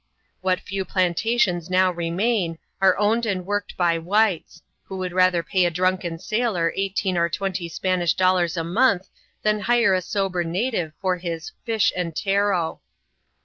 What few plantations now remain, are owned and worked by whites, who would rather pay a drunken sailor eighteen or twenty Spanish dollars a month than hire a sober native for his " fish and taro."